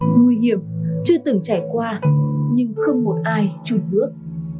nguy hiểm chưa từng trải qua nhưng không một ai chụp bước